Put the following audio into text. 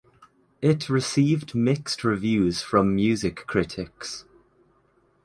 It received mixed reviews from music critics.